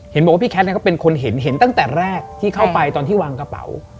เห็นบอกว่าพี่แคทก็เป็นคนเห็นเห็นตั้งแต่แรกที่เข้าไปตอนที่วางกระเป๋า